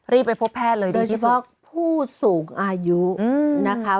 ไปพบแพทย์เลยโดยเฉพาะผู้สูงอายุนะคะ